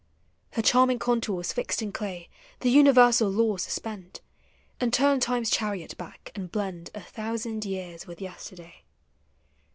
Her charming contours fixed in clay The universal law suspend. And turn Time's chariot back, and blend A thousand years with yesterday.